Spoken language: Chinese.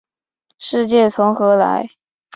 世界从何来？